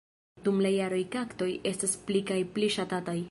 Dum la jaroj kaktoj estas pli kaj pli ŝatataj.